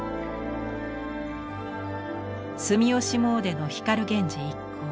住吉詣の光源氏一行。